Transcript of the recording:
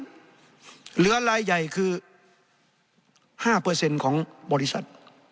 เหลือรายใหญ่คือ๕ของบริษัท